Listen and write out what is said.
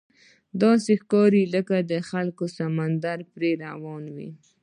داسې ښکاري لکه د خلکو سمندر پرې روان وي.